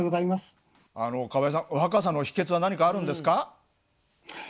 川合さん若さの秘けつは何かあるんですか？